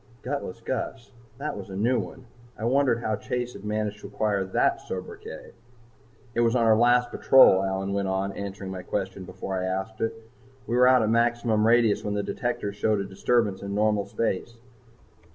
Gutless Gus! that was a new one. I wondered how Chase had managed to acquire that sobriquet. "It was on our last patrol," Allyn went on, answering my question before I asked it. "We were out at maximum radius when the detectors showed a disturbance in normal space.